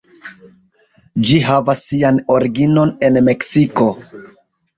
Ĝi havas sian originon en Meksiko.